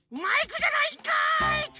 マイクじゃないんかい！